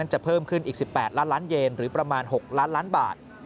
จะเพิ่มขึ้นอีก๑๘ล้านล้านเยนหรือประมาณ๖ล้านล้านบาท